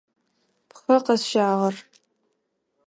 Пхъэ къэсщагъэр.